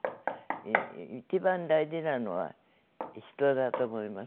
一番大事なのは人だと思います。